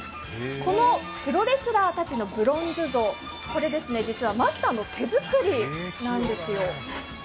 このプロレスラーたちのブロンズ像、これ実はマスターの手作りなんですよ。